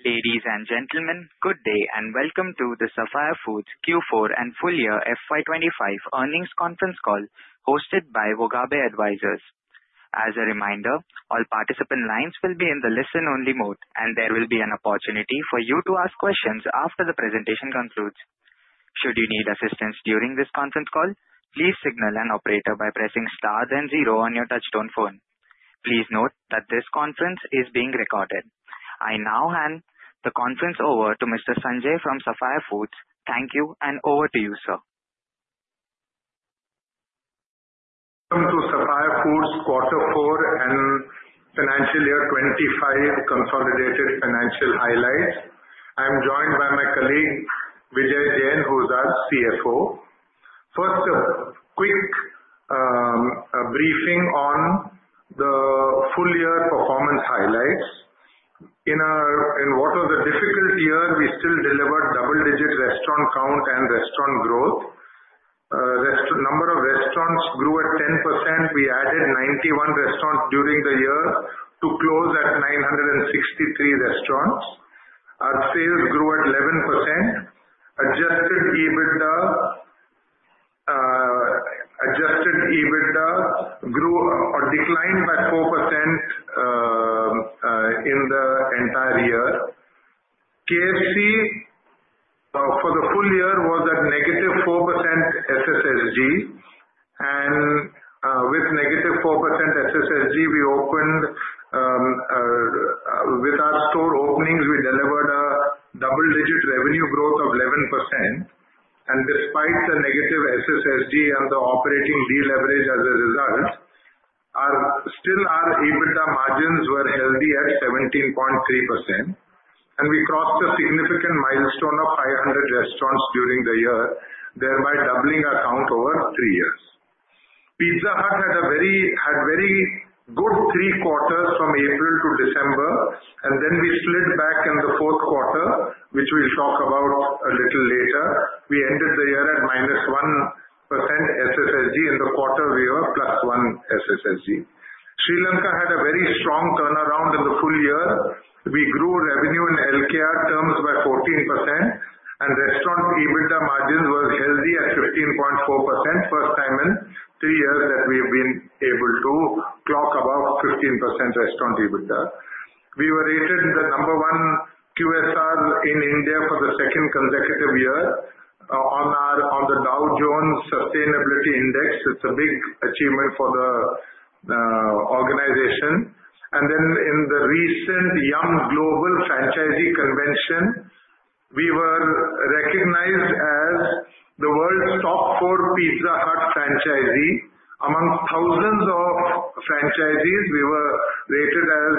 Ladies and gentlemen, good day and welcome to the Sapphire Foods Q4 and full year FY2025 earnings conference call hosted by Vogabe Advisors. As a reminder, all participant lines will be in the listen-only mode, and there will be an opportunity for you to ask questions after the presentation concludes. Should you need assistance during this conference call, please signal an operator by pressing star, then zero on your touch-tone phone. Please note that this conference is being recorded. I now hand the conference over to Mr. Sanjay from Sapphire Foods. Thank you, and over to you, sir. Welcome to Sapphire Foods Quarter four and financial year 2025 consolidated financial highlights. I'm joined by my colleague, Vijay Jain, CFO. First, a quick briefing on the full year performance highlights. In what was a difficult year, we still delivered double-digit restaurant count and restaurant growth. The number of restaurants grew at 10%. We added 91 restaurants during the year to close at 963 restaurants. Our sales grew at 11%. Adjusted EBITDA declined by 4% in the entire year. KFC, for the full year, was at negative 4% SSSG. With negative 4% SSSG, we opened with our store openings, we delivered a double-digit revenue growth of 11%. Despite the negative SSSG and the operating deleverage as a result, still our EBITDA margins were healthy at 17.3%. We crossed a significant milestone of 500 restaurants during the year, thereby doubling our count over three years. Pizza Hut had very good three quarters from April to December, and then we slid back in the fourth quarter, which we'll talk about a little later. We ended the year at -1% SSSG, and the quarter we were +1% SSSG. Sri Lanka had a very strong turnaround in the full year. We grew revenue in healthcare terms by 14%, and restaurant EBITDA margins were healthy at 15.4%, first time in three years that we have been able to clock about 15% restaurant EBITDA. We were rated the number one QSR in India for the second consecutive year on the Dow Jones Sustainability Index. It is a big achievement for the organization. In the recent Yum! Global Franchisee Convention, we were recognized as the world's top four Pizza Hut Franchisee. Among thousands of franchisees, we were rated as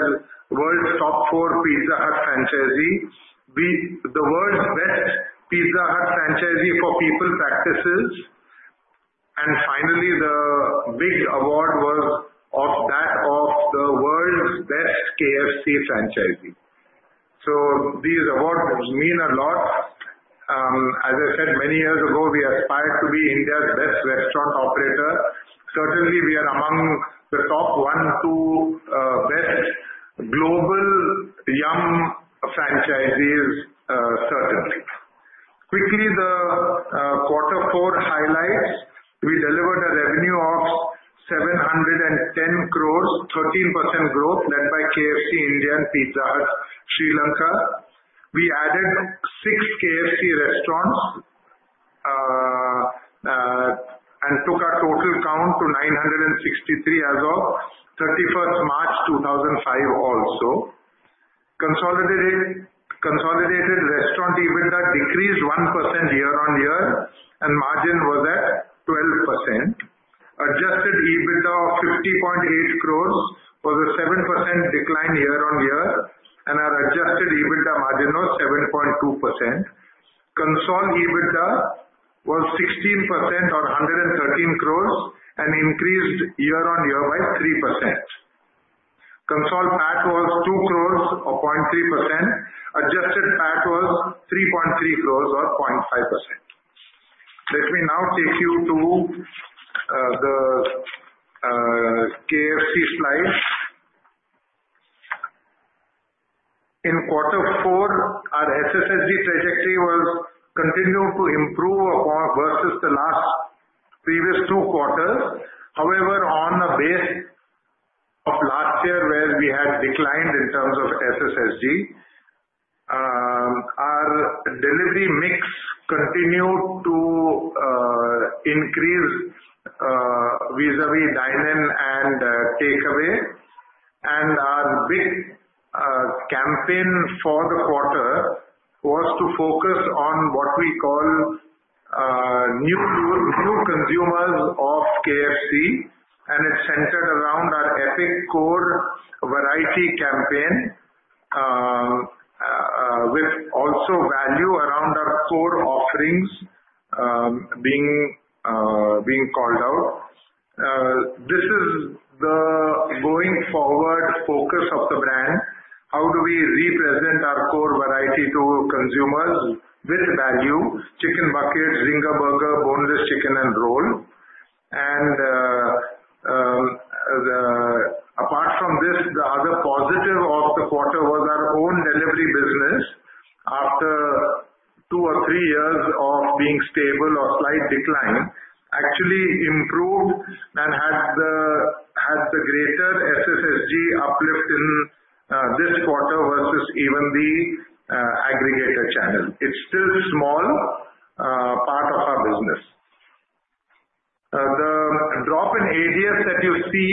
"World's Top Four Pizza Hut Franchisee", "The World's Best Pizza Hut Franchisee" for people practices. Finally, the big award was that of the "World's Best KFC Franchisee". These awards mean a lot. As I said, many years ago, we aspired to be India's best restaurant operator. Certainly, we are among the top one to best global Yum! franchisees, certainly. Quickly, the quarter four highlights, we delivered a revenue of 710 crores, 13% growth, led by KFC, Indian Pizza Hut, Sri Lanka. We added six KFC restaurants and took our total count to 963 as of 31st March 2005 also. Consolidated restaurant EBITDA decreased 1% year-on-year, and margin was at 12%. Adjusted EBITDA of 50.8 crores was a 7% decline year-on-year, and our adjusted EBITDA margin was 7.2%. Console EBITDA was 16% or 113 crores and increased year-on-year by 3%. Console PAT was 2 crores or 0.3%. Adjusted PAT was 3.3 crores or 0.5%. Let me now take you to the KFC slide. In quarter four, our SSSG trajectory was continued to improve versus the last previous two quarters. However, on the base of last year, where we had declined in terms of SSSG, our delivery mix continued to increase vis-à-vis Dine In and Take Away. Our big campaign for the quarter was to focus on what we call new consumers of KFC, and it centered around our epic core variety campaign with also value around our core offerings being called out. This is the going forward focus of the brand. How do we represent our core variety to consumers with value? Chicken bucket, Zinger burger, boneless chicken, and roll. Apart from this, the other positive of the quarter was our own delivery business after two or three years of being stable or slight decline, actually improved and had the greater SSSG uplift in this quarter versus even the aggregator channel. It is still a small part of our business. The drop in ADS that you see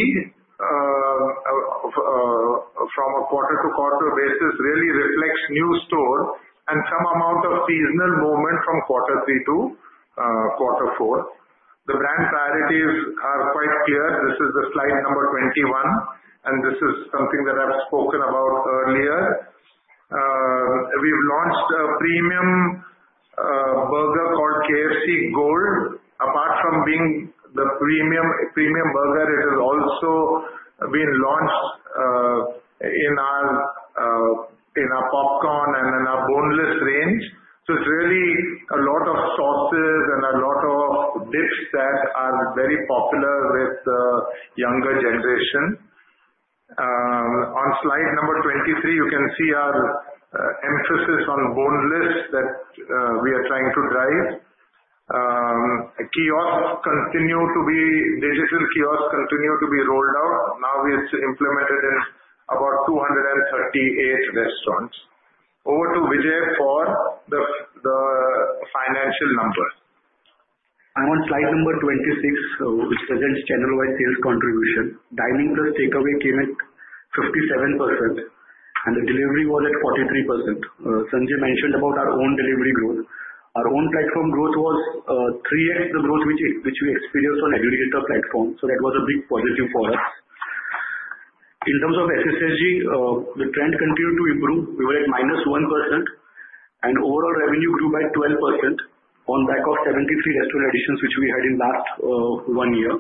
from a quarter-to-quarter basis really reflects new store and some amount of seasonal movement from quarter three to quarter four. The brand priorities are quite clear. This is the slide number 21, and this is something that I have spoken about earlier. We have launched a premium burger called KFC Gold. Apart from being the premium burger, it has also been launched in our popcorn and in our boneless range. It is really a lot of sauces and a lot of dips that are very popular with the younger generation. On slide number 23, you can see our emphasis on boneless that we are trying to drive. Kiosks continue to be digital kiosks continue to be rolled out. Now we've implemented in about 238 restaurants. Over to Vijay for the financial numbers. I'm on slide number 26, which presents general-wide sales contribution. Dining plus takeaway came at 57%, and the delivery was at 43%. Sanjay mentioned about our own delivery growth. Our own platform growth was 3x the growth which we experienced on aggregator platform. That was a big positive for us. In terms of SSSG, the trend continued to improve. We were at minus 1%, and overall revenue grew by 12% on back of 73 restaurant additions which we had in last one year.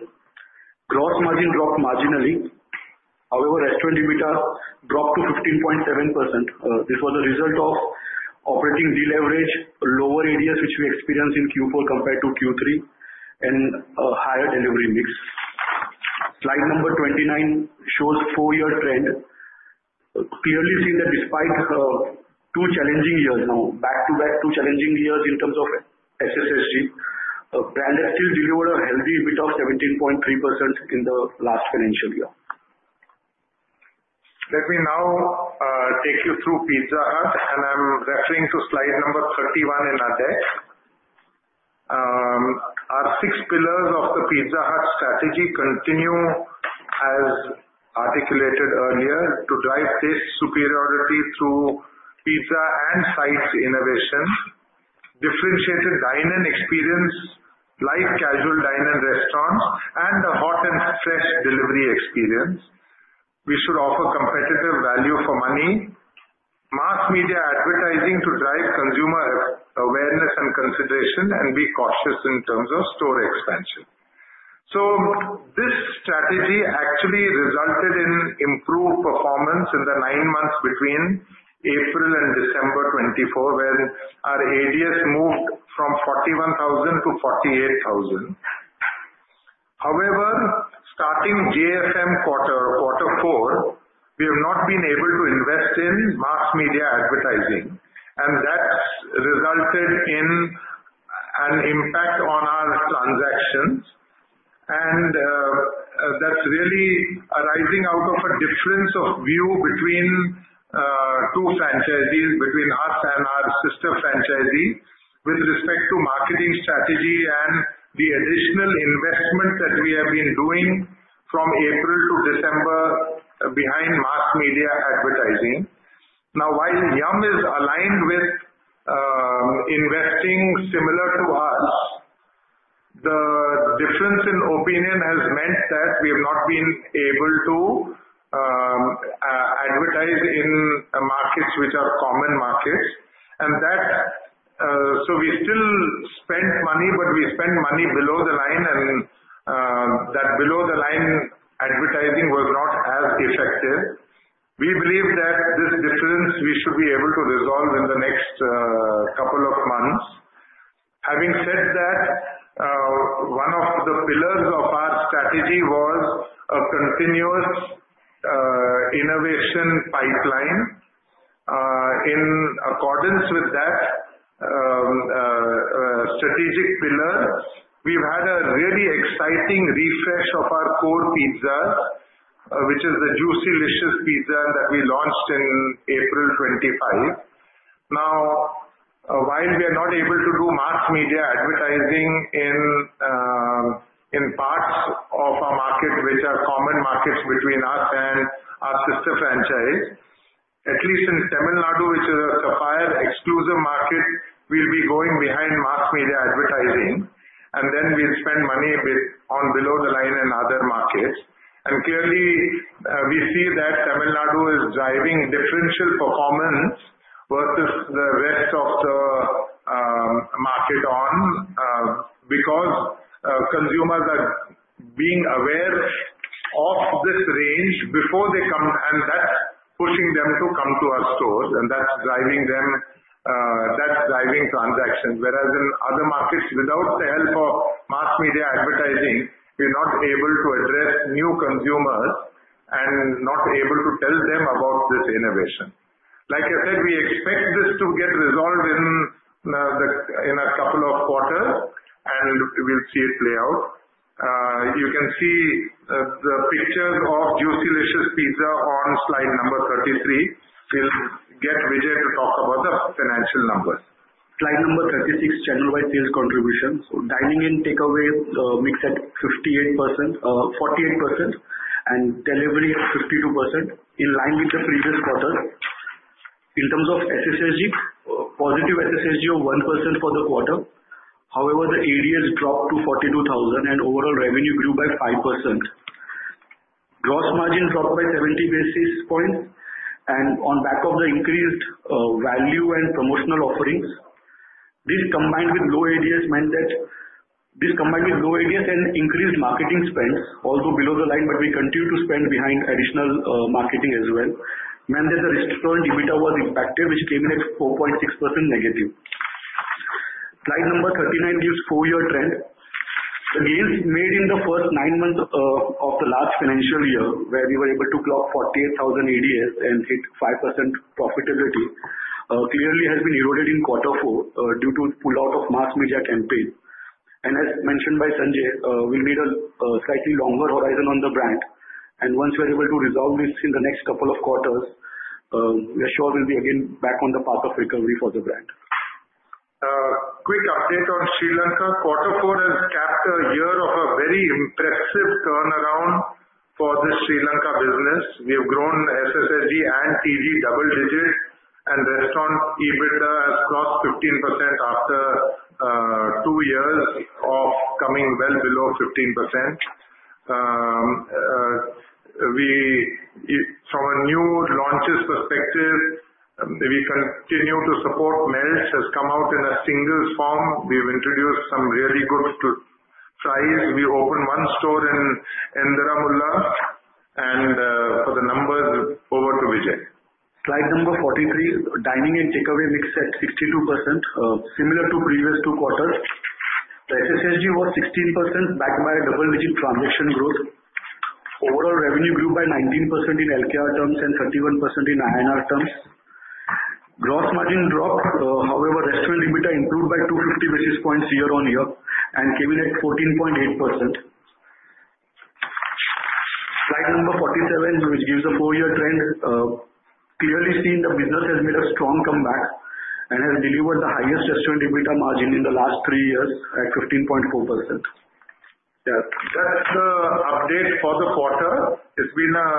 Gross margin dropped marginally. However, restaurant EBITDA dropped to 15.7%. This was a result of operating deal leverage, lower ADS which we experienced in Q4 compared to Q3, and higher delivery mix. Slide number 29 shows four-year trend. Clearly seen that despite two challenging years now, back-to-back two challenging years in terms of SSSG, brand has still delivered a healthy bit of 17.3% in the last financial year. Let me now take you through Pizza Hut, and I'm referring to slide number 31 in our deck. Our six pillars of the Pizza Hut strategy continue, as articulated earlier, to drive taste superiority through pizza and sides innovation, differentiated dine-in experience like casual dine-in restaurants, and a hot and fresh delivery experience. We should offer competitive value for money, mass media advertising to drive consumer awareness and consideration, and be cautious in terms of store expansion. This strategy actually resulted in improved performance in the nine months between April and December 2024, when our ADS moved from 41,000 to 48,000. However, starting JFM quarter or quarter four, we have not been able to invest in mass media advertising, and that's resulted in an impact on our transactions. That is really arising out of a difference of view between two franchisees, between us and our sister franchisee, with respect to marketing strategy and the additional investment that we have been doing from April to December behind mass media advertising. Now, while Yum! is aligned with investing similar to us, the difference in opinion has meant that we have not been able to advertise in markets which are common markets. We still spent money, but we spent money below the line, and that below-the-line advertising was not as effective. We believe that this difference we should be able to resolve in the next couple of months. Having said that, one of the pillars of our strategy was a continuous innovation pipeline. In accordance with that strategic pillar, we've had a really exciting refresh of our core pizzas, which is the Juicylicious Pizza that we launched in April 25. Now, while we are not able to do mass media advertising in parts of our market, which are common markets between us and our sister franchise, at least in Tamil Nadu, which is a Sapphire exclusive market, we'll be going behind mass media advertising, and then we'll spend money on below-the-line and other markets. Clearly, we see that Tamil Nadu is driving differential performance versus the rest of the market because consumers are being aware of this range before they come, and that's pushing them to come to our stores, and that's driving transactions. Whereas in other markets, without the help of mass media advertising, we're not able to address new consumers and not able to tell them about this innovation. Like I said, we expect this to get resolved in a couple of quarters, and we'll see it play out. You can see the pictures of Juicylicious Pizza on slide number 33. We'll get Vijay to talk about the financial numbers. Slide number 36, general-wide sales contribution. Dining-in takeaway mix at 48% and delivery at 52%, in line with the previous quarter. In terms of SSSG, positive SSSG of 1% for the quarter. However, the ADS dropped to 42,000, and overall revenue grew by 5%. Gross margin dropped by 70 basis points, and on back of the increased value and promotional offerings, this combined with low ADS meant that this combined with low ADS and increased marketing spends, although below the line, but we continue to spend behind additional marketing as well, meant that the restaurant EBITDA was impacted, which came in at 4.6% negative. Slide number 39 gives four-year trend. The gains made in the first nine months of the last financial year, where we were able to clock 48,000 ADS and hit 5% profitability, clearly has been eroded in quarter four due to the pull-out of mass media campaign. As mentioned by Sanjay, we'll need a slightly longer horizon on the brand. Once we are able to resolve this in the next couple of quarters, we are sure we'll be again back on the path of recovery for the brand. Quick update on Sri Lanka. Quarter four has capped a year of a very impressive turnaround for the Sri Lanka business. We have grown SSSG and TG double-digit, and restaurant EBITDA has crossed 15% after two years of coming well below 15%. From a new launches perspective, we continue to support melts has come out in a single form. We have introduced some really good fries. We opened one store in Indiramulla. For the numbers, over to Vijay. Slide number 43, dining and takeaway mix at 62%, similar to previous two quarters. The SSSG was 16% backed by a double-digit transaction growth. Overall revenue grew by 19% in LKR terms and 31% in INR terms. Gross margin dropped. However, restaurant EBITDA improved by 250 basis points year-on-year and came in at 14.8%. Slide number 47, which gives a four-year trend. Clearly seen the business has made a strong comeback and has delivered the highest restaurant EBITDA margin in the last three years at 15.4%. That's the update for the quarter. It's been a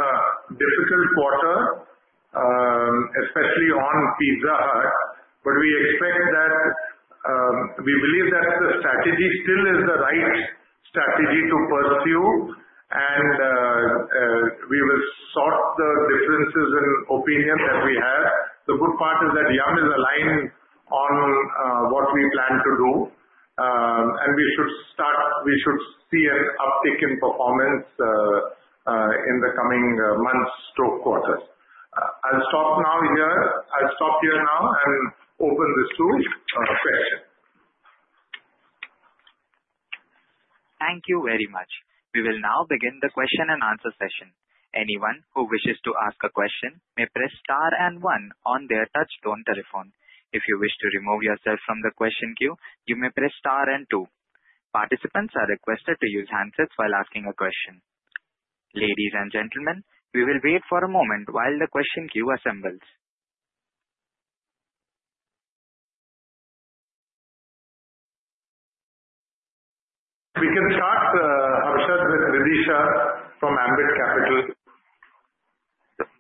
difficult quarter, especially on Pizza Hut, but we expect that we believe that the strategy still is the right strategy to pursue, and we will sort the differences in opinion that we have. The good part is that Yum! is aligned on what we plan to do, and we should see an uptick in performance in the coming months to quarter. I'll stop here now and open this to question. Thank you very much. We will now begin the question and answer session. Anyone who wishes to ask a question may press star and one on their touchstone telephone. If you wish to remove yourself from the question queue, you may press star and two. Participants are requested to use handsets while asking a question. Ladies and gentlemen, we will wait for a moment while the question queue assembles. We can start, Harshad, with Vidisha from Ambit Capital.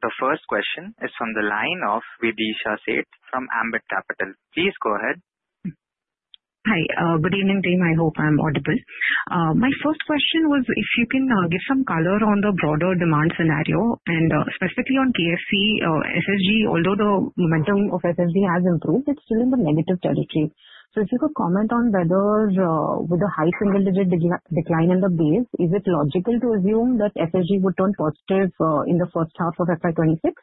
The first question is from the line of Vidisha Set from Ambit Capital. Please go ahead. Hi, good evening, team. I hope I'm audible. My first question was if you can give some color on the broader demand scenario, and specifically on KFC SSG, although the momentum of SSG has improved, it's still in the negative territory. If you could comment on whether, with the high single-digit decline in the base, is it logical to assume that SSG would turn positive in the first half of FY 2026?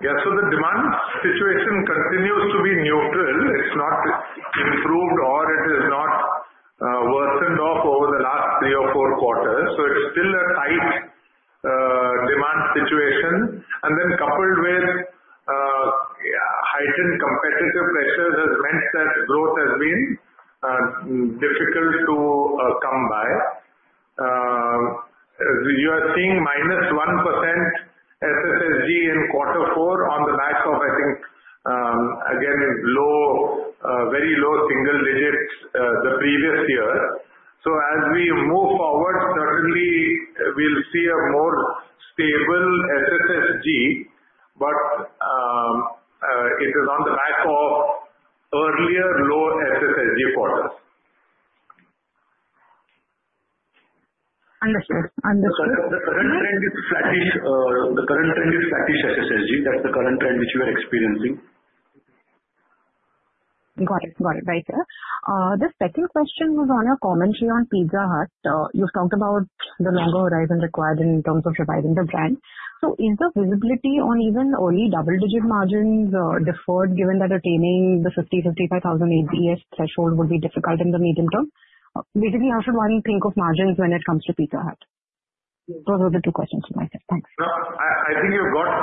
Yeah, so the demand situation continues to be neutral. It's not improved, or it has not worsened over the last three or four quarters. It's still a tight demand situation. Then coupled with heightened competitive pressures has meant that growth has been difficult to come by. You are seeing -1% SSSG in quarter four on the back of, I think, again, very low single-digits the previous year. As we move forward, certainly we'll see a more stable SSSG, but it is on the back of earlier low SSSG quarters. Understood. The current trend is flatish SSSG. That's the current trend which we are experiencing. Got it. Got it. Right there. The second question was on a commentary on Pizza Hut. You've talked about the longer horizon required in terms of surviving the brand. Is the visibility on even early double-digit margins deferred, given that attaining the 50,000-55,000 ADS threshold would be difficult in the medium term? Basically, how should one think of margins when it comes to Pizza Hut? Those were the two questions for myself. Thanks. I think you've got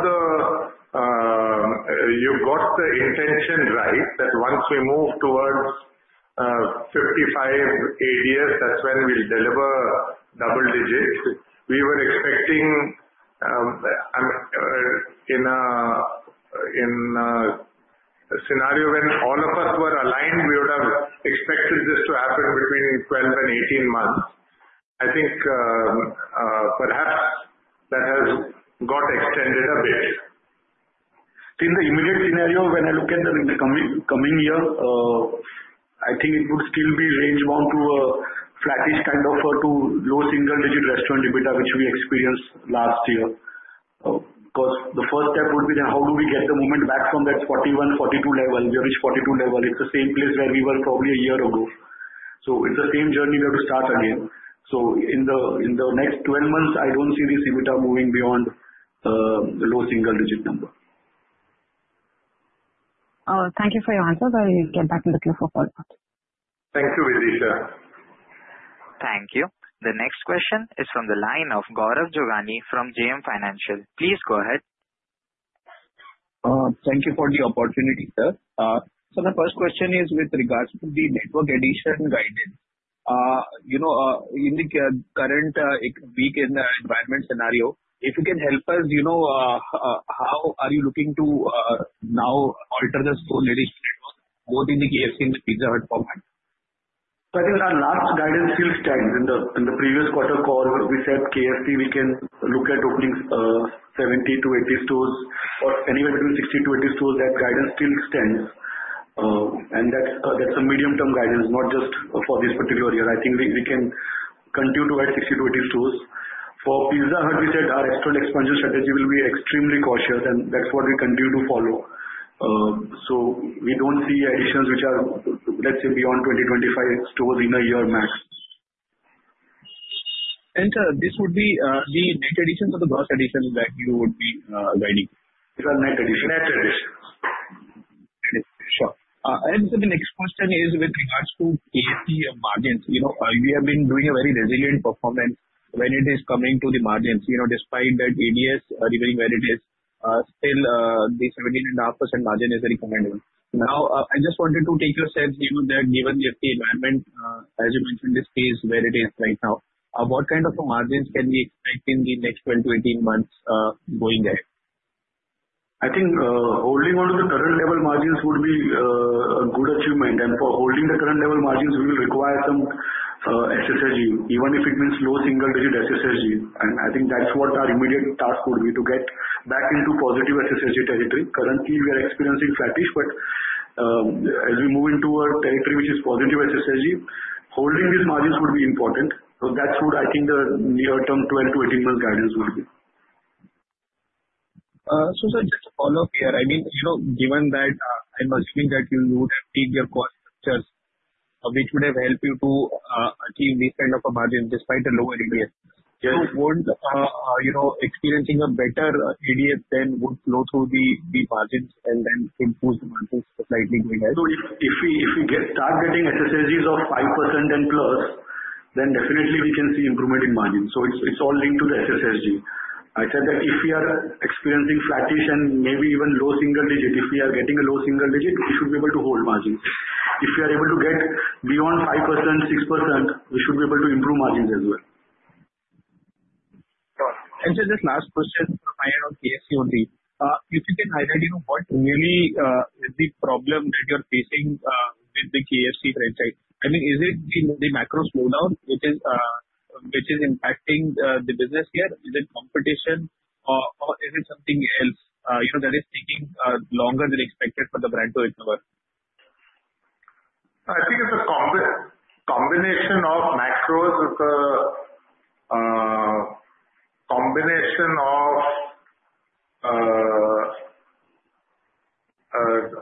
the intention right that once we move towards 55,000 ADS, that's when we'll deliver double-digits. We were expecting in a scenario when all of us were aligned, we would have expected this to happen between 12 and 18 months. I think perhaps that has got extended a bit. In the immediate scenario, when I look at the coming year, I think it would still be rangebound to a flatish kind of low single-digit restaurant EBITDA, which we experienced last year. Because the first step would be then how do we get the momentum back from that 41,000-42,000 level, very 42,000 level? It's the same place where we were probably a year ago. So it's the same journey we have to start again. In the next 12 months, I don't see this EBITDA moving beyond the low single-digit number. Thank you for your answers. I'll get back to the queue for follow-up. Thank you, Vidisha. Thank you. The next question is from the line of Gaurav Jogani from JM Financial. Please go ahead. Thank you for the opportunity, sir. My first question is with regards to the network addition guidance. In the current week in the environment scenario, if you can help us, how are you looking to now alter the store leadership both in the KFC and the Pizza Hut format? I think that last guidance still stands. In the previous quarter call, we said KFC, we can look at opening 70-80 stores or anywhere between 60-80 stores. That guidance still stands. And that's a medium-term guidance, not just for this particular year. I think we can continue to add 60-80 stores. For Pizza Hut, we said our external expansion strategy will be extremely cautious, and that's what we continue to follow. So we do not see additions which are, let's say, beyond 20-25 stores in a year max. Would this be the net addition or the gross addition that you would be guiding? These are net additions. Net additions. Sure. The next question is with regards to KFC margins. We have been doing a very resilient performance when it is coming to the margins. Despite that ADS remaining where it is, still the 17.5% margin is recommended. Now, I just wanted to take your sense that given the environment, as you mentioned, this is where it is right now, what kind of margins can we expect in the next 12-18 months going ahead? I think holding on to the current level margins would be a good achievement. For holding the current level margins, we will require some SSSG, even if it means low single-digit SSSG. I think that's what our immediate task would be to get back into positive SSSG territory. Currently, we are experiencing flatish, but as we move into a territory which is positive SSSG, holding these margins would be important. I think the near-term 12 to 18 months guidance would be that. Just to follow up here, I mean, given that I'm assuming that you would have peaked your cost structures, which would have helped you to achieve this kind of a margin despite the lower ADS, won't experiencing a better ADS then flow through the margins and then improve the margins slightly going ahead? If we start getting SSSGs of 5% and plus, then definitely we can see improvement in margins. It is all linked to the SSSG. I said that if we are experiencing flatish and maybe even low single-digit, if we are getting a low single-digit, we should be able to hold margins. If we are able to get beyond 5%-6%, we should be able to improve margins as well. Just this last question from my end on KFC only. If you can highlight what really is the problem that you're facing with the KFC franchise? I mean, is it the macro slowdown which is impacting the business here? Is it competition, or is it something else that is taking longer than expected for the brand to recover? I think it's a combination of macros, a combination of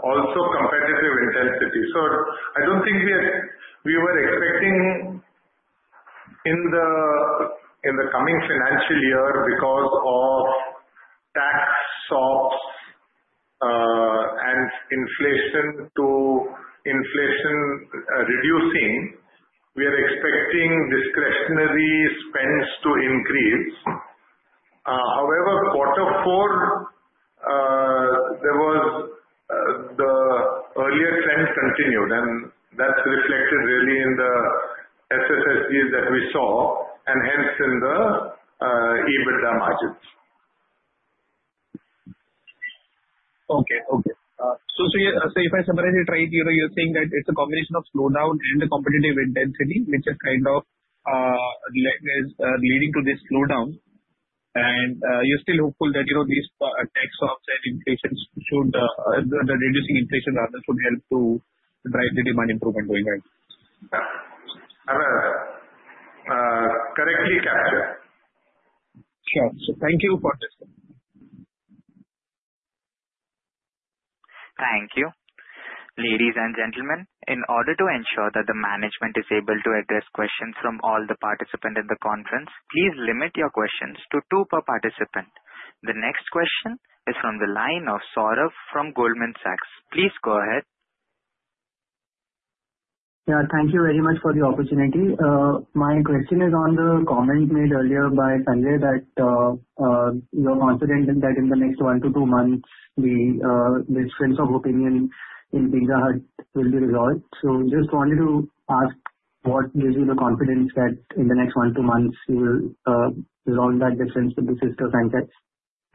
also competitive intensity. I don't think we were expecting in the coming financial year because of tax swaps and inflation reducing, we are expecting discretionary spends to increase. However, quarter four, the earlier trend continued, and that's reflected really in the SSSGs that we saw, and hence in the EBITDA margins. Okay. Okay. If I summarize it right, you're saying that it's a combination of slowdown and the competitive intensity, which is kind of leading to this slowdown. You're still hopeful that these tax swaps and inflation should reduce inflation rather than should help to drive the demand improvement going ahead? Correctly captured. Sure. Thank you for this. Thank you. Ladies and gentlemen, in order to ensure that the management is able to address questions from all the participants in the conference, please limit your questions to two per participant. The next question is from the line of Saurabh from Goldman Sachs. Please go ahead. Yeah. Thank you very much for the opportunity. My question is on the comment made earlier by Sanjay that you're confident that in the next one to two months, this sense of opinion in Pizza Hut will be resolved. Just wanted to ask what gives you the confidence that in the next one to two months, you will resolve that difference with the sister franchise?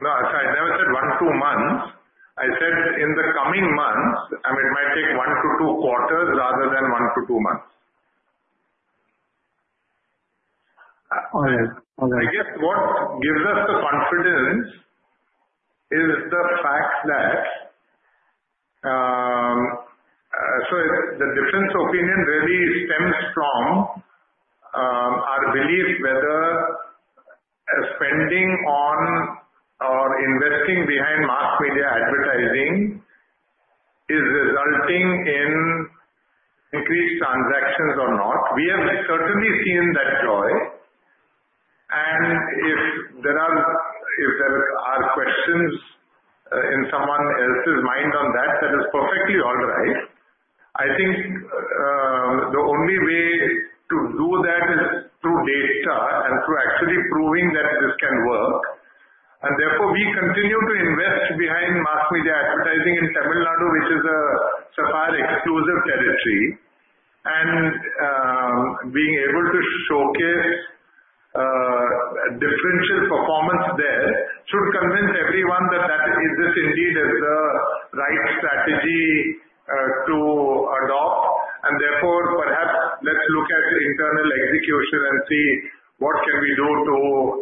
No, I never said one to two months. I said in the coming months, and it might take one to two quarters rather than one to two months. All right. I guess what gives us the confidence is the fact that the difference of opinion really stems from our belief whether spending on or investing behind mass media advertising is resulting in increased transactions or not. We have certainly seen that joy. If there are questions in someone else's mind on that, that is perfectly all right. I think the only way to do that is through data and through actually proving that this can work. Therefore, we continue to invest behind mass media advertising in Tamil Nadu, which is a Sapphire exclusive territory. Being able to showcase differential performance there should convince everyone that this indeed is the right strategy to adopt. Therefore, perhaps let's look at internal execution and see what can we do to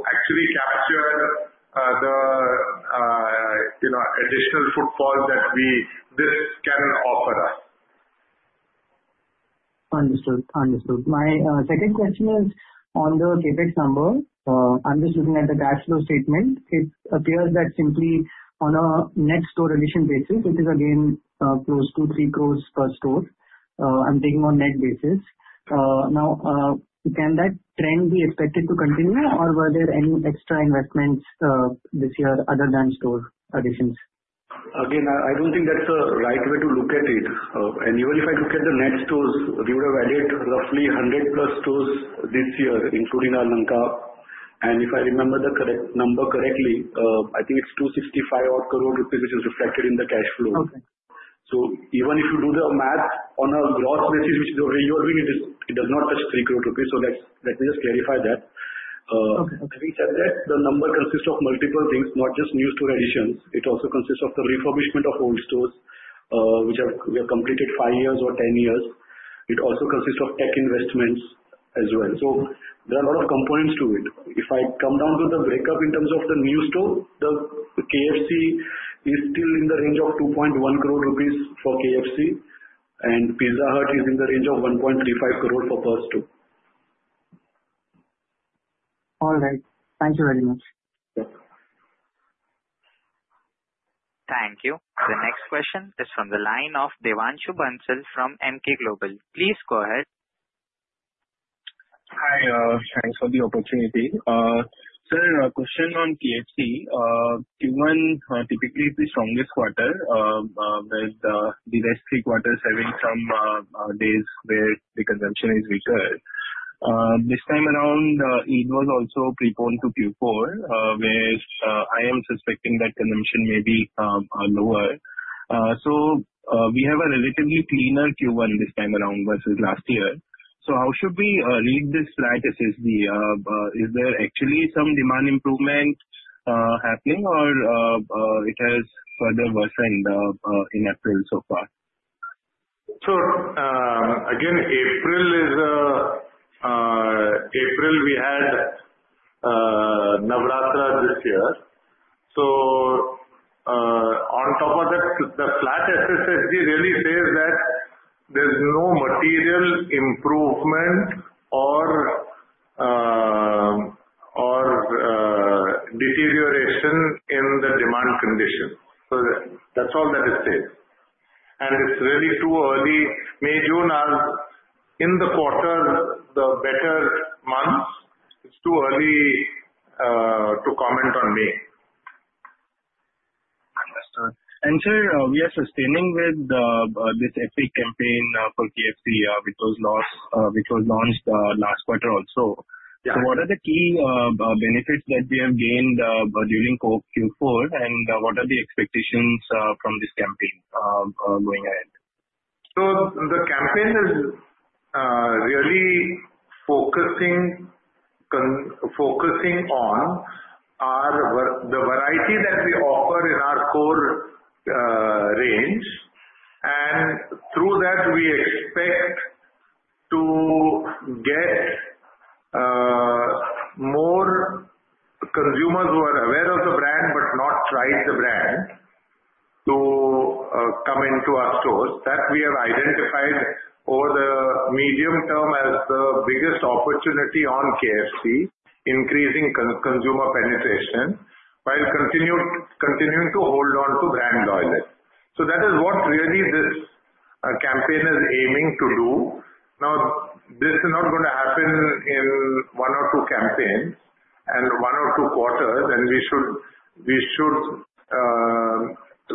actually capture the additional footfall that this can offer us. Understood. Understood. My second question is on the CapEx number. I'm just looking at the cash flow statement. It appears that simply on a net store addition basis, which is again close to 3 crores per store, I'm taking on net basis. Now, can that trend be expected to continue, or were there any extra investments this year other than store additions? Again, I don't think that's the right way to look at it. Even if I look at the net stores, we would have added roughly 100+ stores this year, including our Lanka. If I remember the number correctly, I think it's 265-odd crore rupees, which is reflected in the cash flow. Even if you do the math on a gross basis, which is over a year, it does not touch 3 crore rupees. Let me just clarify that. I think that the number consists of multiple things, not just new store additions. It also consists of the refurbishment of old stores, which have completed 5 years or 10 years. It also consists of tech investments as well. There are a lot of components to it. If I come down to the breakup in terms of the new store, the KFC is still in the range of 2.1 crore rupees for KFC, and Pizza Hut is in the range of 1.35 crore per store. All right. Thank you very much. Thank you. The next question is from the line of Devanshu Bansal from Emkay Global. Please go ahead. Hi. Thanks for the opportunity. Sir, a question on KFC. Q1 typically is the strongest quarter, with the last three quarters having some days where the consumption is weaker. This time around, it was also preponed to Q4, where I am suspecting that consumption may be lower. We have a relatively cleaner Q1 this time around versus last year. How should we read this flat SSSG? Is there actually some demand improvement happening, or has it further worsened in April so far? Sure. Again, April is April, we had Navratra this year. On top of that, the flat SSSG really says that there's no material improvement or deterioration in the demand conditions. That's all that it says. It's really too early. May, June, are in the quarters, the better months. It's too early to comment on May. Understood. Sir, we are sustaining with this FA campaign for KFC, which was launched last quarter also. What are the key benefits that we have gained during Q4, and what are the expectations from this campaign going ahead? The campaign is really focusing on the variety that we offer in our core range. Through that, we expect to get more consumers who are aware of the brand but have not tried the brand to come into our stores. That we have identified over the medium term as the biggest opportunity on KFC, increasing consumer penetration, while continuing to hold on to brand loyalty. That is what really this campaign is aiming to do. This is not going to happen in one or two campaigns and one or two quarters, and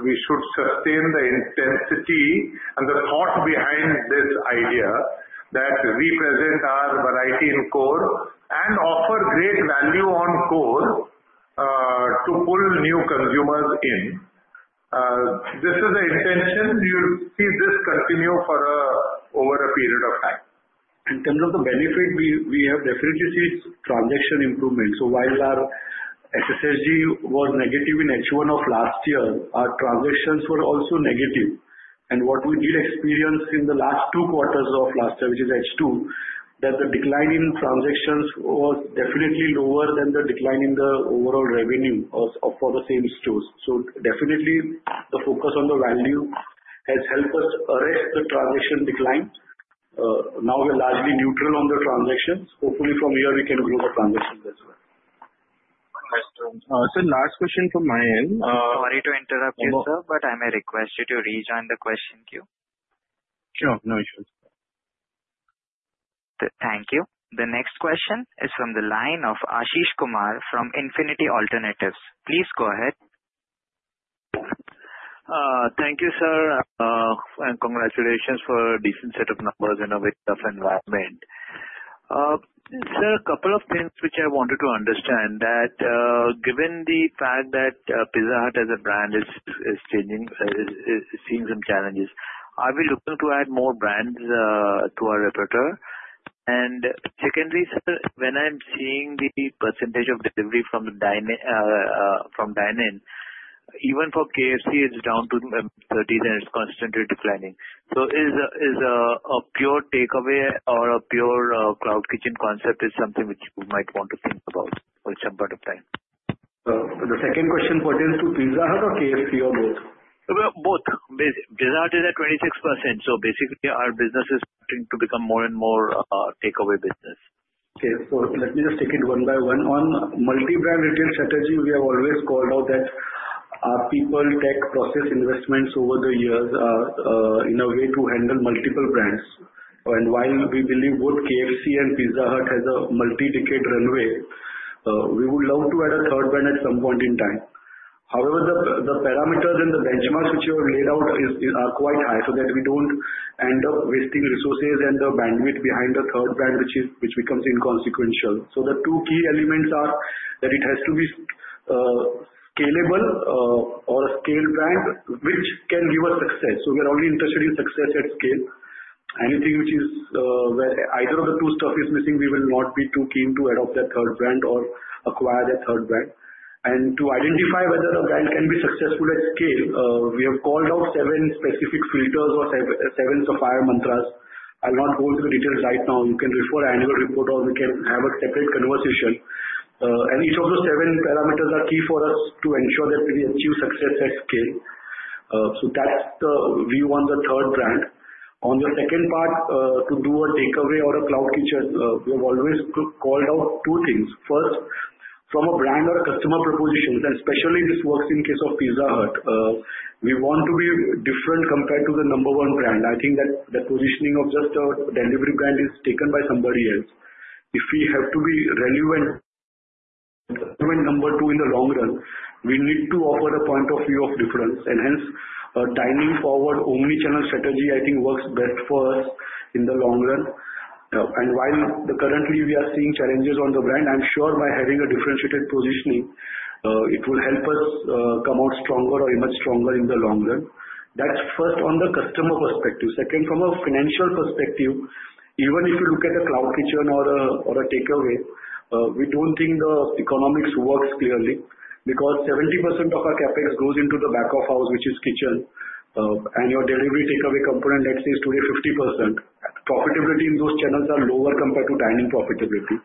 we should sustain the intensity and the thought behind this idea that we present our variety in core and offer great value on core to pull new consumers in. This is the intention. You will see this continue for over a period of time. In terms of the benefit, we have definitely seen transaction improvement. While our SSSG was negative in H1 of last year, our transactions were also negative. What we did experience in the last two quarters of last year, which is H2, is that the decline in transactions was definitely lower than the decline in the overall revenue for the same stores. Definitely, the focus on the value has helped us arrest the transaction decline. Now we're largely neutral on the transactions. Hopefully, from here, we can grow the transactions as well. Understood. Sir, last question from my end. Sorry to interrupt you, sir, but I may request you to rejoin the question queue. Sure. No issues. Thank you. The next question is from the line of Ashish Kumar from Infinity Alternatives. Please go ahead. Thank you, sir, and congratulations for a decent set of numbers in a very tough environment. Sir, a couple of things which I wanted to understand that given the fact that Pizza Hut as a brand is changing, seeing some challenges, are we looking to add more brands to our repertoire? Secondly, sir, when I'm seeing the percentage of delivery from Dine In, even for KFC, it's down to 30%, and it's constantly declining. Is a pure takeaway or a pure cloud kitchen concept something which you might want to think about for some part of time? The second question pertains to Pizza Hut or KFC or both? Both. Pizza Hut is at 26%. Basically, our business is starting to become more and more takeaway business. Okay. Let me just take it one by one. On multi-brand retail strategy, we have always called out that our people, tech, process investments over the years are in a way to handle multiple brands. While we believe both KFC and Pizza Hut has a multi-decade runway, we would love to add a third brand at some point in time. However, the parameters and the benchmarks which you have laid out are quite high so that we do not end up wasting resources and the bandwidth behind a third brand, which becomes inconsequential. The two key elements are that it has to be scalable or a scaled brand which can give us success. We are only interested in success at scale. Anything which is either of the two stuff is missing, we will not be too keen to adopt that third brand or acquire that third brand. To identify whether a brand can be successful at scale, we have called out seven specific filters or seven Sapphire Mantras. I'll not go into the details right now. You can refer to the annual report, or we can have a separate conversation. Each of those seven parameters are key for us to ensure that we achieve success at scale. That is the view on the third brand. On the second part, to do a takeaway or a cloud kitchen, we have always called out two things. First, from a brand or customer proposition, and especially this works in the case of Pizza Hut, we want to be different compared to the number one brand. I think that the positioning of just a delivery brand is taken by somebody else. If we have to be relevant number two in the long run, we need to offer a point of view of difference. Hence, a dining-forward omnichannel strategy, I think, works best for us in the long run. While currently we are seeing challenges on the brand, I'm sure by having a differentiated positioning, it will help us come out stronger or emerge stronger in the long run. That is first on the customer perspective. Second, from a financial perspective, even if you look at a cloud kitchen or a takeaway, we do not think the economics works clearly because 70% of our CapEx goes into the back of house, which is kitchen. Your delivery takeaway component, let's say, is today 50%. Profitability in those channels is lower compared to dining profitability.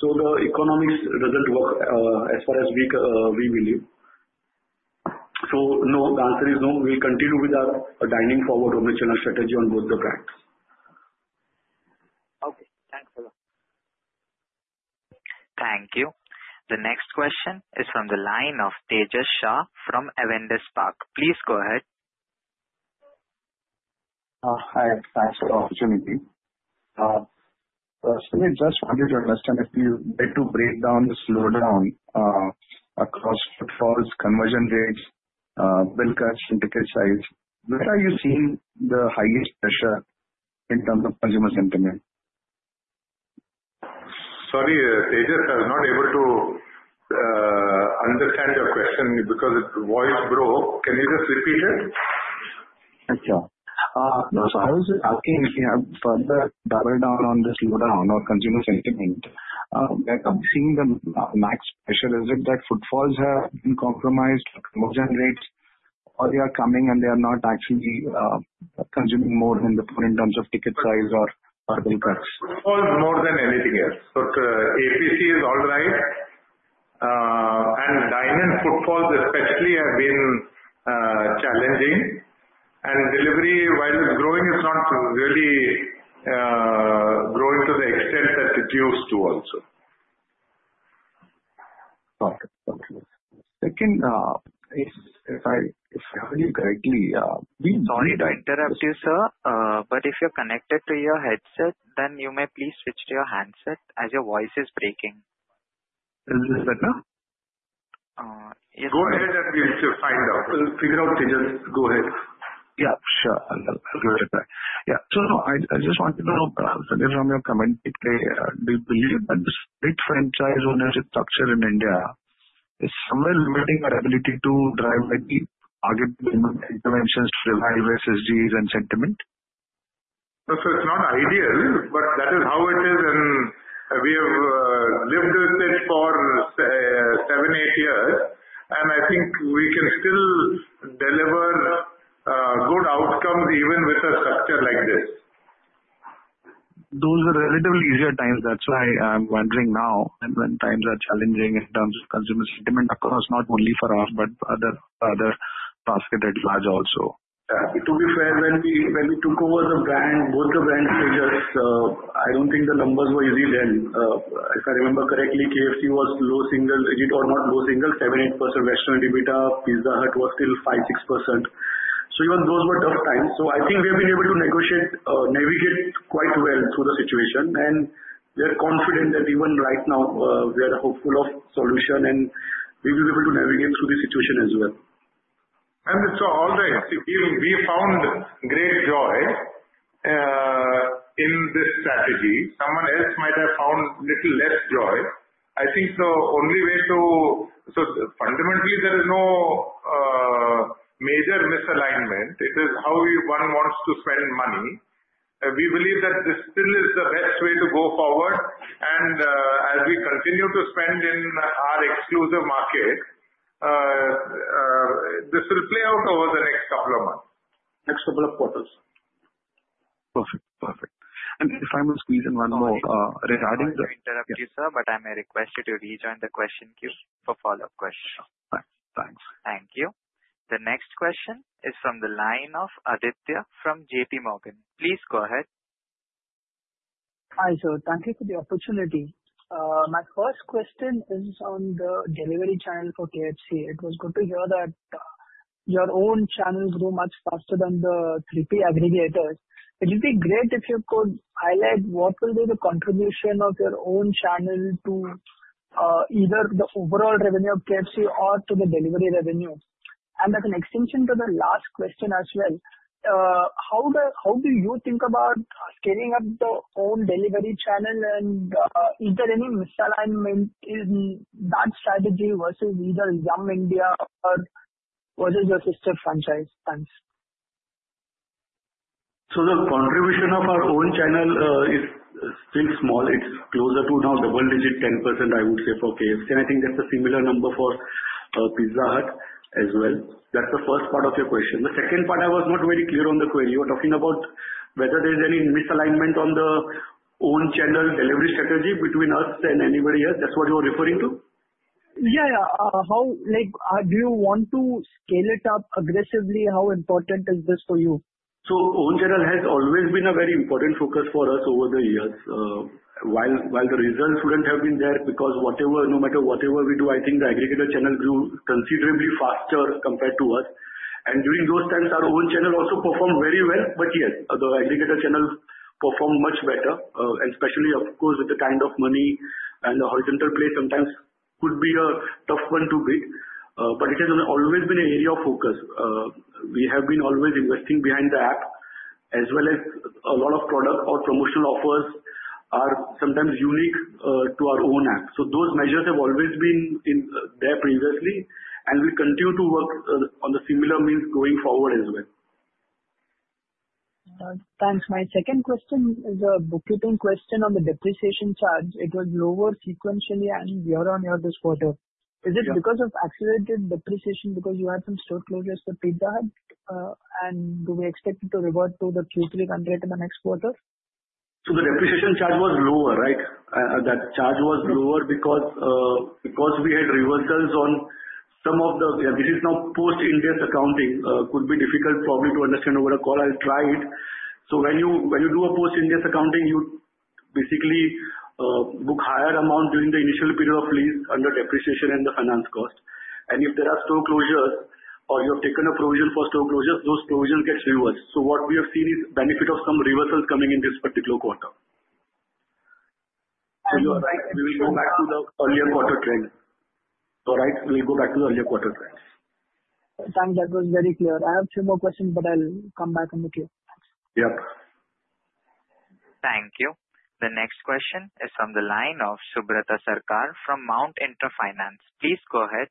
The economics does not work as far as we believe. No, the answer is no. We'll continue with our dining-forward omnichannel strategy on both the brands. Okay. Thanks a lot. Thank you. The next question is from the line of Tejas Shah from Avendus Spark. Please go ahead. Hi. Thanks for the opportunity. Sir, I just wanted to understand if you had to break down the slowdown across footfalls, conversion rates, bill cuts, and ticket size, where are you seeing the highest pressure in terms of consumer sentiment? Sorry, Tejas is not able to understand your question because his voice broke. Can you just repeat it? Sure. I was just looking further down on the slowdown or consumer sentiment. I'm seeing the max pressure. Is it that footfalls have been compromised, conversion rates, or they are coming and they are not actually consuming more in terms of ticket size or bill cuts? Footfalls more than anything else. APC is all right. Dining footfalls, especially, have been challenging. Delivery, while it's growing, is not really growing to the extent that it used to also. Okay. Thank you. Second, if I heard you correctly, we— Sorry to interrupt you, sir, but if you're connected to your headset, then you may please switch to your handset as your voice is breaking. Is this better? Yes, sir. Go ahead and we will find out. Figure out, Tejas. Go ahead. Yeah. Sure. I'll give it a try. Yeah. So I just wanted to know, Sir, from your commentary, do you believe that the split franchise ownership structure in India is somewhat limiting our ability to drive any targeted payment interventions to reliable SSGs and sentiment? Sir, it's not ideal, but that is how it is. We have lived with it for seven, eight years. I think we can still deliver good outcomes even with a structure like this. Those were relatively easier times. That's why I'm wondering now when times are challenging in terms of consumer sentiment across, not only for us, but other basketed large also. To be fair, when we took over the brand, both the brands were just—I do not think the numbers were easy then. If I remember correctly, KFC was low single, 7-8% restaurant EBITDA. Pizza Hut was still 5-6%. Even those were tough times. I think we have been able to negotiate, navigate quite well through the situation. We are confident that even right now, we are hopeful of solution, and we will be able to navigate through the situation as well. All the team found great joy in this strategy. Someone else might have found a little less joy. I think the only way to—fundamentally, there is no major misalignment. It is how one wants to spend money. We believe that this still is the best way to go forward. As we continue to spend in our exclusive market, this will play out over the next couple of months. Next couple of quarters. Perfect. Perfect. If I may squeeze in one more. Please. Regarding the— Sorry to interrupt you, sir, but I may request you to rejoin the question queue for follow-up questions. Thanks. Thank you. The next question is from the line of Aditya from JPMorgan. Please go ahead. Hi, sir. Thank you for the opportunity. My first question is on the delivery channel for KFC. It was good to hear that your own channel grew much faster than the 3P aggregators. It would be great if you could highlight what will be the contribution of your own channel to either the overall revenue of KFC or to the delivery revenue. As an extension to the last question as well, how do you think about scaling up the own delivery channel? Is there any misalignment in that strategy versus either Yum! India or versus your sister franchise? Thanks. The contribution of our own channel is still small. It is closer to now double-digit 10%, I would say, for KFC. I think that is a similar number for Pizza Hut as well. That is the first part of your question. The second part, I was not very clear on the query. You were talking about whether there is any misalignment on the own channel delivery strategy between us and anybody else. That is what you were referring to? Yeah. Do you want to scale it up aggressively? How important is this for you? Own channel has always been a very important focus for us over the years. While the results would not have been there because no matter whatever we do, I think the aggregator channel grew considerably faster compared to us. During those times, our own channel also performed very well. Yes, the aggregator channel performed much better. Especially, of course, with the kind of money and the horizontal play, sometimes could be a tough one to beat. It has always been an area of focus. We have been always investing behind the app, as well as a lot of product or promotional offers are sometimes unique to our own app. Those measures have always been there previously, and we continue to work on the similar means going forward as well. Thanks. My second question is a bookkeeping question on the depreciation charge. It was lower sequentially and year-on-year this quarter. Is it because of accelerated depreciation because you had some store closures for Pizza Hut? And do we expect it to revert to the Q3 rendered in the next quarter? The depreciation charge was lower, right? That charge was lower because we had reversals on some of the—this is now post-India accounting. It could be difficult probably to understand over a call. I'll try it. When you do a post-India accounting, you basically book higher amount during the initial period of lease under depreciation and the finance cost. If there are store closures or you have taken a provision for store closures, those provisions get reversed. What we have seen is the benefit of some reversals coming in this particular quarter. You are right. We will go back to the earlier quarter trend. All right? We'll go back to the earlier quarter trend. Thanks. That was very clear. I have a few more questions, but I'll come back on the queue. Yep. Thank you. The next question is from the line of Subrata Sarkar from Mount Intra Finance. Please go ahead.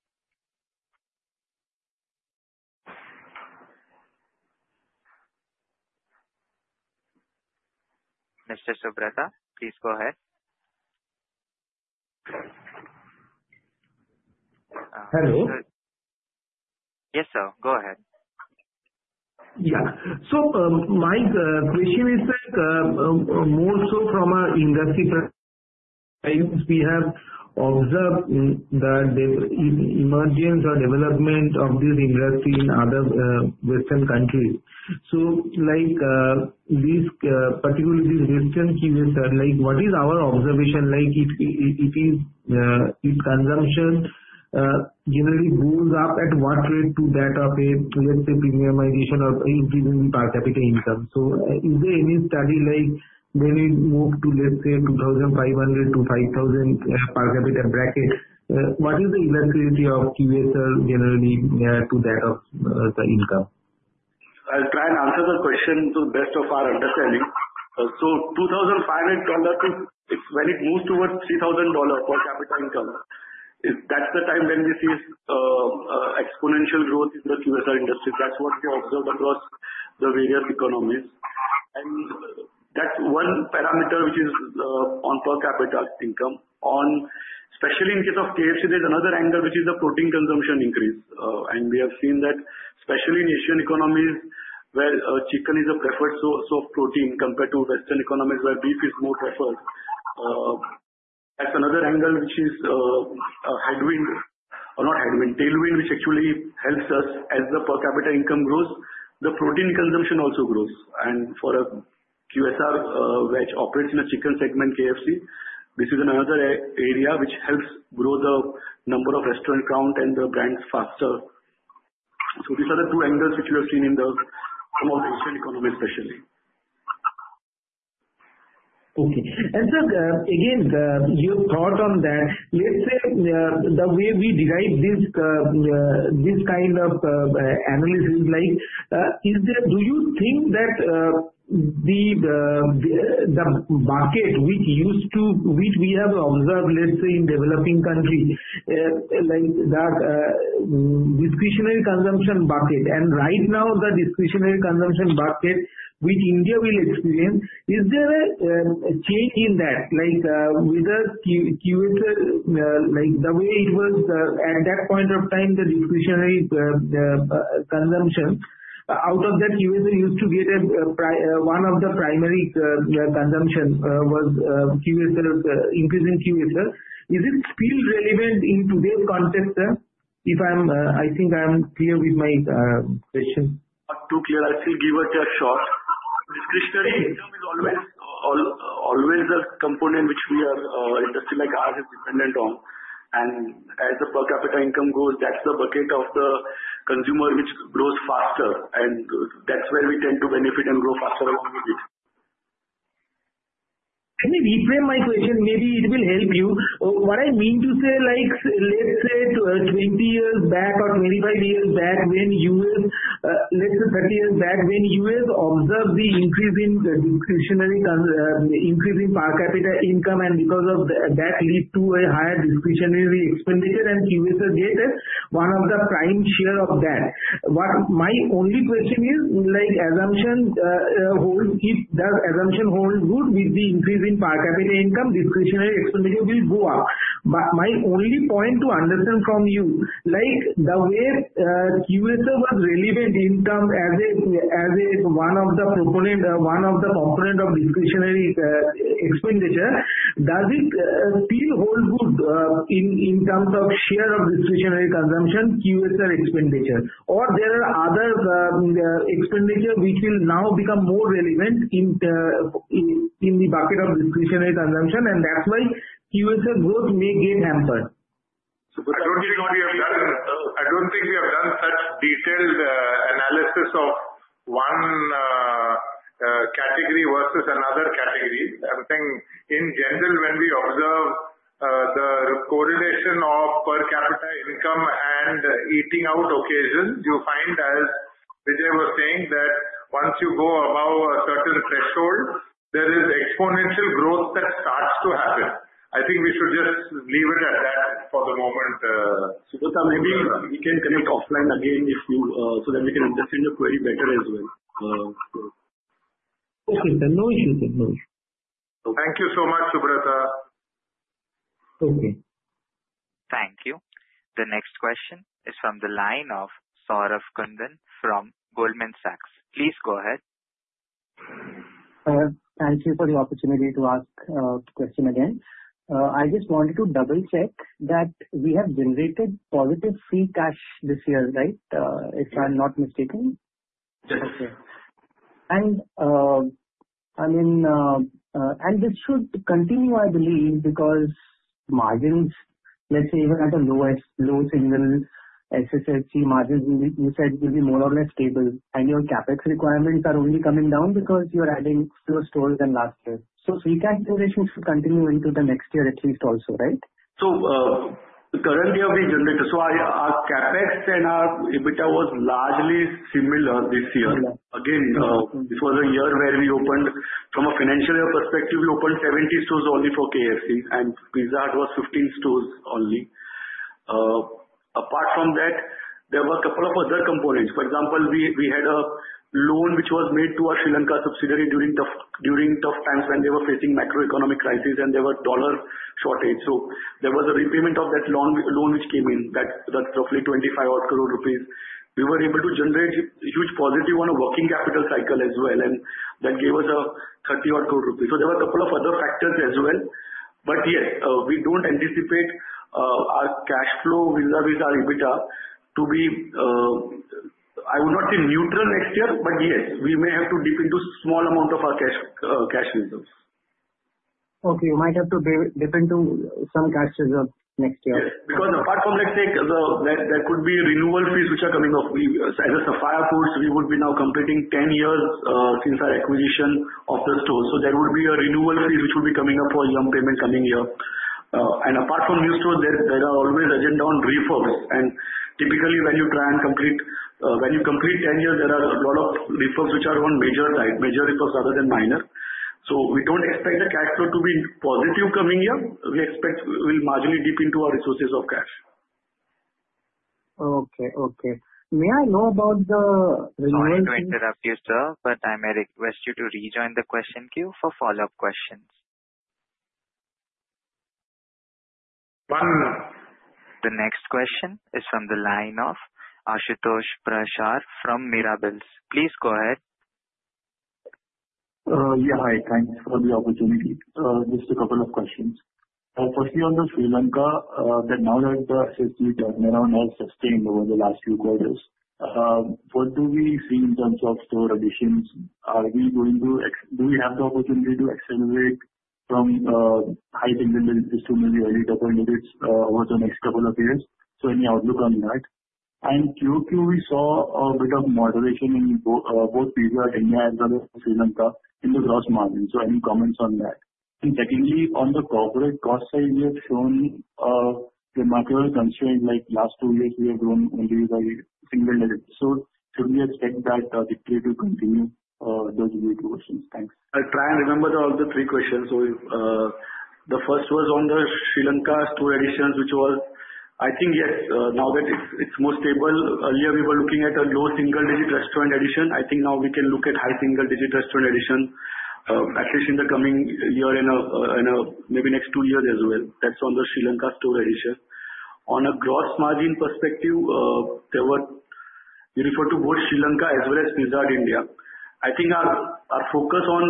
Mr. Subhrata, please go ahead. Hello. Yes, sir. Go ahead. Yeah. My question is more so from an industry perspective. We have observed the emergence or development of this industry in other Western countries. Particularly this Western QSR, what is our observation? If consumption generally goes up, at what rate to that of a, let's say, premiumization or increasing the per capita income? Is there any study when we move to, let's say, $2,500 to $5,000 per capita bracket? What is the elasticity of QSR generally to that of the income? I'll try and answer the question to the best of our understanding. $2,500 to when it moves towards $3,000 per capita income, that's the time when we see exponential growth in the QSR industry. That's what we observed across the various economies. That's one parameter which is on per capita income. Especially in the case of KFC, there's another angle which is the protein consumption increase. We have seen that, especially in Asian economies, where chicken is a preferred source of protein compared to Western economies where beef is more preferred. That's another angle which is headwind or not headwind, tailwind, which actually helps us as the per capita income grows, the protein consumption also grows. For a QSR which operates in a chicken segment, KFC, this is another area which helps grow the number of restaurant counts and the brands faster. These are the two angles which we have seen in some of the Asian economies, especially. Okay. Sir, again, your thought on that. Let's say the way we derive this kind of analysis, do you think that the market which we have observed, let's say, in developing countries, like that discretionary consumption bucket, and right now the discretionary consumption bucket which India will experience, is there a change in that? The way it was at that point of time, the discretionary consumption out of that QSR used to get one of the primary consumption was increasing QSR. Is it still relevant in today's context? I think I'm clear with my question. Not too clear. I'll still give it a shot. Discretionary income is always a component which our industry, like ours, is dependent on. As the per capita income goes, that's the bucket of the consumer which grows faster. That's where we tend to benefit and grow faster along with it. Can you reframe my question? Maybe it will help you. What I mean to say, let's say 20 years back or 25 years back, let's say 30 years back, when you observed the increase in per capita income and because of that lead to a higher discretionary expenditure and QSR gets one of the prime share of that. My only question is, does assumption hold good with the increase in per capita income? Discretionary expenditure will go up. My only point to understand from you, the way QSR was relevant in terms as one of the components of discretionary expenditure, does it still hold good in terms of share of discretionary consumption, QSR expenditure? Or there are other expenditures which will now become more relevant in the bucket of discretionary consumption, and that's why QSR growth may get hampered? I don't think we have done such detailed analysis of one category versus another category. I'm saying in general, when we observe the correlation of per capita income and eating out occasions, you find, as Vijay was saying, that once you go above a certain threshold, there is exponential growth that starts to happen. I think we should just leave it at that for the moment. Subhrata, maybe we can connect offline again so that we can understand your query better as well. Okay, sir. No issue, sir. No issue. Thank you so much, Subhrata. Okay. Thank you. The next question is from the line of Saurabh Kundan from Goldman Sachs. Please go ahead. Thank you for the opportunity to ask a question again. I just wanted to double-check that we have generated positive free cash this year, right? If I'm not mistaken. Yes. Okay. I mean, and this should continue, I believe, because margins, let's say, even at a low single SSSG margins, you said will be more or less stable. Your CapEx requirements are only coming down because you're adding fewer stores than last year. Free cash generation should continue into the next year at least also, right? Currently, our CapEx and our EBITDA was largely similar this year. Again, it was a year where we opened, from a financial perspective, we opened 70 stores only for KFC, and Pizza Hut was 15 stores only. Apart from that, there were a couple of other components. For example, we had a loan which was made to our Sri Lanka subsidiary during tough times when they were facing macroeconomic crisis and there was a dollar shortage. There was a repayment of that loan which came in. That is roughly 25 crore rupees. We were able to generate huge positive on a working capital cycle as well, and that gave us 30 crore rupees. There were a couple of other factors as well. Yes, we do not anticipate our cash flow with our EBITDA to be—I would not say neutral next year, but yes, we may have to dip into a small amount of our cash reserves. Okay. You might have to dip into some cash reserves next year. Yes. Because apart from, let's say, there could be renewal fees which are coming up. As Sapphire Foods, we would be now completing 10 years since our acquisition of the store. There would be a renewal fee which would be coming up for Yum! payment coming year. Apart from new stores, there are always agenda on refurbs. Typically, when you try and complete—when you complete 10 years, there are a lot of refurbs which are on major type, major refurbs rather than minor. We do not expect the cash flow to be positive coming year. We expect we will marginally dip into our resources of cash. Okay. Okay. May I know about the renewal? Sorry to interrupt you, sir, but I may request you to rejoin the question queue for follow-up questions. One more. The next question is from the line of Ashutosh Prashar from Mirabilis. Please go ahead. Yeah. Hi. Thanks for the opportunity. Just a couple of questions. Firstly, on Sri Lanka, now that the SSSG turnaround has sustained over the last few quarters, what do we see in terms of store additions? Are we going to—do we have the opportunity to accelerate from high-intensive distributing to earlier couple of digits over the next couple of years? Any outlook on that? And QQ, we saw a bit of moderation in both Pizza Hut India as well as Sri Lanka in the gross margin. Any comments on that? Secondly, on the corporate cost side, we have shown a remarkable constraint. Last two years, we have grown only by single digit. Should we expect that victory to continue? Those are my questions. Thanks. I'll try and remember all the three questions. The first was on the Sri Lanka store additions, which was—I think, yes, now that it's more stable. Earlier, we were looking at a low single-digit restaurant addition. I think now we can look at high single-digit restaurant addition, at least in the coming year and maybe next two years as well. That's on the Sri Lanka store addition. On a gross margin perspective, you refer to both Sri Lanka as well as Pizza Hut India. I think our focus on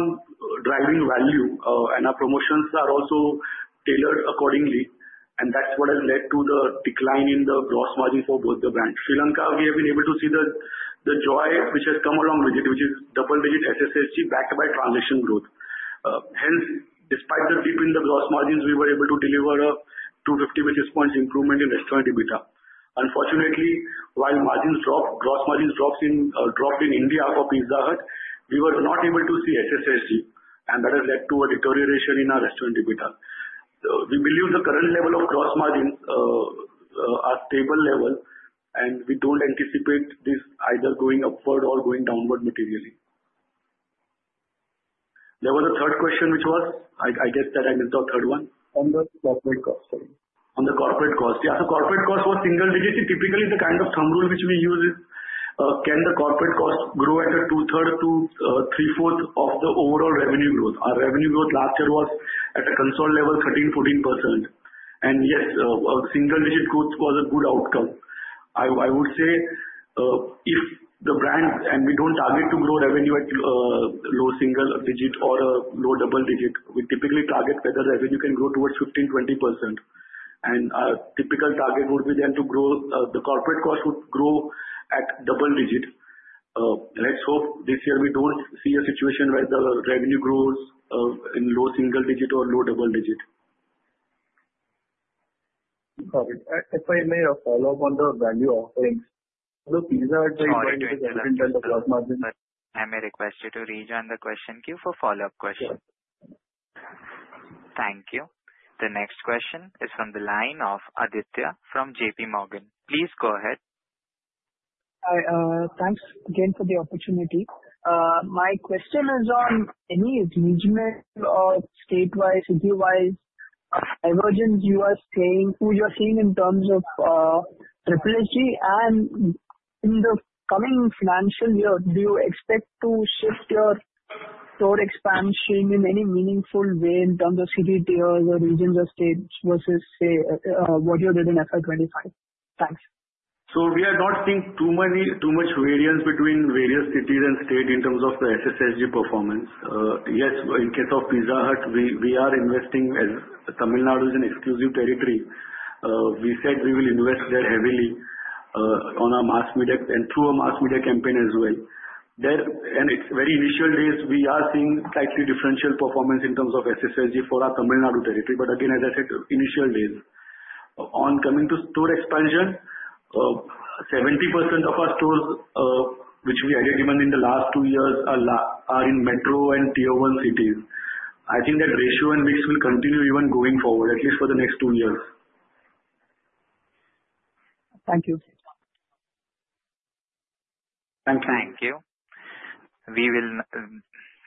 driving value and our promotions are also tailored accordingly. That's what has led to the decline in the gross margin for both the brands. Sri Lanka, we have been able to see the joy which has come along with it, which is double-digit SSSG backed by transaction growth. Hence, despite the dip in the gross margins, we were able to deliver a 250 basis points improvement in restaurant EBITDA. Unfortunately, while margins dropped in India for Pizza Hut, we were not able to see SSSG. That has led to a deterioration in our restaurant EBITDA. We believe the current level of gross margins are stable level, and we do not anticipate this either going upward or going downward materially. There was a third question, which was—I guess that I missed the third one. On the corporate cost side. On the corporate cost. Yeah. So corporate cost was single-digit. Typically, the kind of thumb rule which we use is, can the corporate cost grow at a two-third to three-fourth of the overall revenue growth? Our revenue growth last year was at a consolidated level, 13%-14%. Yes, single-digit growth was a good outcome. I would say if the brand—and we do not target to grow revenue at low single digit or low double digit. We typically target whether revenue can grow towards 15%-20%. Our typical target would be then to grow the corporate cost would grow at double digit. Let's hope this year we do not see a situation where the revenue grows in low single digit or low double digit. Sorry. If I may follow up on the value offerings. The Pizza Hut joint with the gross margin. I may request you to rejoin the question queue for follow-up questions. Sure. Thank you. The next question is from the line of Aditya from JPMorgan. Please go ahead. Hi. Thanks again for the opportunity. My question is on any regional or statewise, citywise divergence you are seeing, who you are seeing in terms of SSG and in the coming financial year. Do you expect to shift your store expansion in any meaningful way in terms of city tiers or regions or states versus, say, what you did in FY 2025? Thanks. We are not seeing too much variance between various cities and states in terms of the SSSG performance. Yes, in case of Pizza Hut, we are investing as Tamil Nadu is an exclusive territory. We said we will invest there heavily on our mass media and through our mass media campaign as well. It is very initial days. We are seeing slightly differential performance in terms of SSSG for our Tamil Nadu territory. Again, as I said, initial days. Coming to store expansion, 70% of our stores which we had even in the last two years are in metro and tier-one cities. I think that ratio and mix will continue even going forward, at least for the next two years. Thank you. Thank you. We will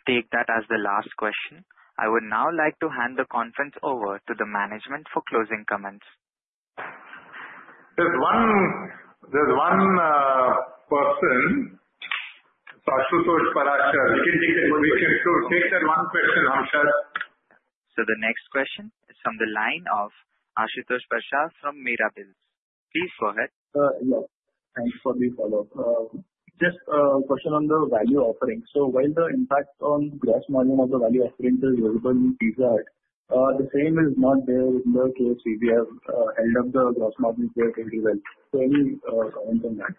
take that as the last question. I would now like to hand the conference over to the management for closing comments. There's one person, so Ashutosh Prashar. We can take that one question, Hamshad. The next question is from the line of Ashutosh Prashar from Mirabilis. Please go ahead. Yes. Thanks for the follow-up. Just a question on the value offering. While the impact on gross margin of the value offering is visible in Pizza Hut, the same is not there in KFC. We have held up the gross margin quite well. Any comments on that?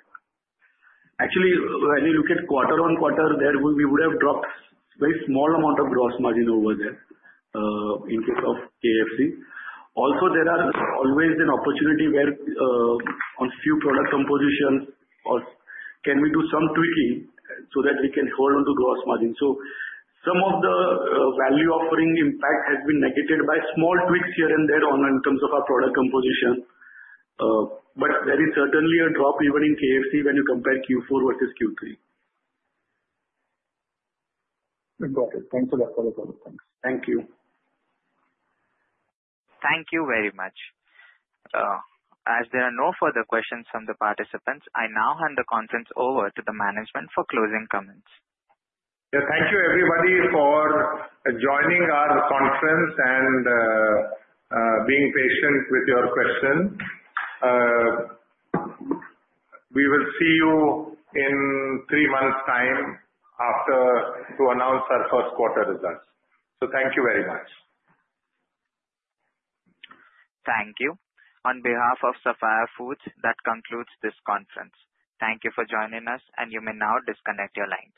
Actually, when you look at quarter on quarter, we would have dropped a very small amount of gross margin over there in case of KFC. Also, there is always an opportunity where on a few product compositions or can we do some tweaking so that we can hold on to gross margin? Some of the value offering impact has been negated by small tweaks here and there in terms of our product composition. There is certainly a drop even in KFC when you compare Q4 versus Q3. Got it. Thanks for that follow-up. Thanks. Thank you. Thank you very much. As there are no further questions from the participants, I now hand the conference over to the management for closing comments. Yeah. Thank you, everybody, for joining our conference and being patient with your questions. We will see you in three months' time to announce our first quarter results. Thank you very much. Thank you. On behalf of Sapphire Foods, that concludes this conference. Thank you for joining us, and you may now disconnect your lines.